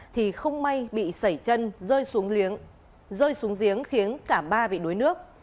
thì không may bị sảy chân rơi xuống giếng khiến cả ba bị đuối nước